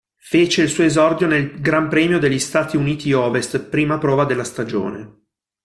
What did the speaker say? Fece il suo esordio nel Gran Premio degli Stati Uniti-Ovest, prima prova della stagione.